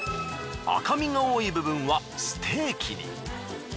赤身が多い部分はステーキに。